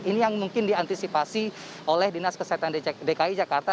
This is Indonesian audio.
ini yang mungkin diantisipasi oleh dinas kesehatan dki jakarta